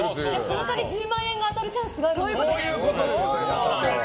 その代わり、１０万円が当たるチャンスがあるんですね。